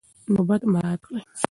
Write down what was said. نوبت مراعات کړئ.